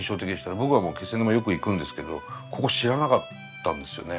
僕はもう気仙沼よく行くんですけどここ知らなかったんですよね。